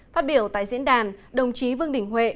phát biểu tại diễn đàn đồng chí vương đình huệ